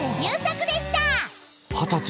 二十歳。